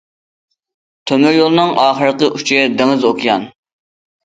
تۆمۈريولنىڭ ئاخىرقى ئۇچى دېڭىز- ئوكيان.